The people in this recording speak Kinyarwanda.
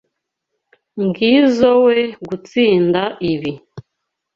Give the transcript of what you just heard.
Ngizoe gutsinda ibi.